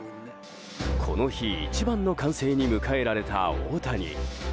この日、一番の歓声に迎えられた大谷。